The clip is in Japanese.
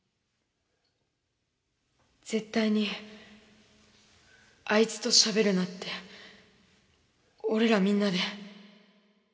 絶対にあいつとしゃべるなって俺らみんなで。